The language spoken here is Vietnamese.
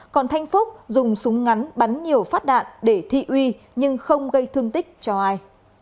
còn thanh phúc dùng súng ngắn bắn nhiều phát đạn để thị uy nhưng không gây thương tích cho ai